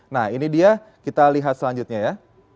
nah ini dia kita lihat selanjutnya ya